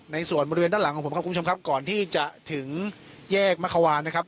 ในส่วนบริเวณด้านหลังของผมครับคุณผู้ชมครับก่อนที่จะถึงแยกมะควานนะครับ